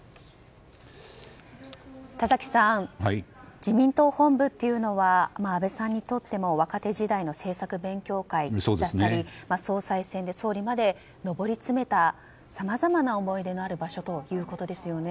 田崎さん自民党本部というのは安倍さんにとっても若手時代の政策勉強会だったり総裁選で総理まで上り詰めたさまざまな思い出のある場所ということですよね。